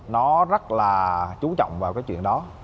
nó rất là trú trọng vào cái chuyện đó